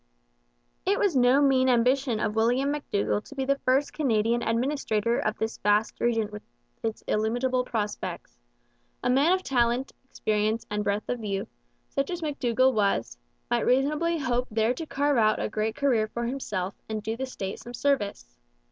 It was no mean ambition of William McDougall to be the first Canadian administrator of this vast region with its illimitable prospects; a man of talent, experience, and breadth of view, such as McDougall was, might reasonably hope there to carve out a great career for himself and do the state some service.